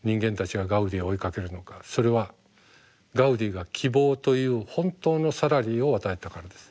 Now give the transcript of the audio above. それはガウディが希望という本当のサラリーを与えたからです。